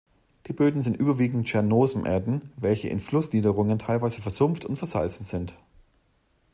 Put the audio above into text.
Die Böden sind überwiegend Tschernosem-Erden, welche in Flussniederungen teilweise versumpft und versalzen sind.